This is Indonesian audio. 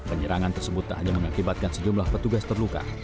penyerangan tersebut tak hanya mengakibatkan sejumlah petugas terluka